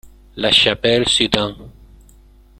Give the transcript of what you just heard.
La Chapelle-sur-Dun